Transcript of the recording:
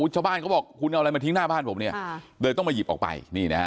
ชาวบ้านเขาบอกคุณเอาอะไรมาทิ้งหน้าบ้านผมเลยต้องมาหยิบออกไป